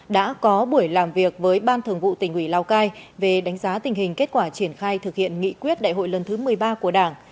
đã có buổi làm việc với ban thường vụ tỉnh ủy lào cai về đánh giá tình hình kết quả triển khai thực hiện nghị quyết đại hội lần thứ một mươi ba của đảng